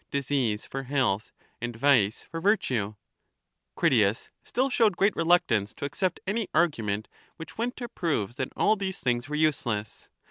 disease for health, and vice for virtue. Socrates, Critias still showed great reluctance to accept any argu Critias ment which went to prove that all these things were useless.